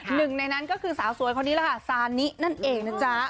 หนึ่งในนั้นก็คือสาสวยคนนี้ซานินั่นเอง